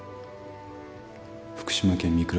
福島県御倉